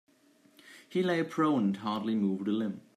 He lay prone and hardly moved a limb.